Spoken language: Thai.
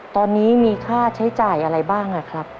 ตอนนี้มีค่าใช้จ่ายอะไรบ้างครับ